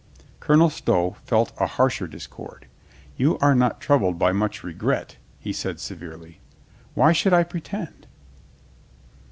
Colonel Stow felt a harsher discord. "You are not troubled by much regret," he said severely. "Why should I pretend?"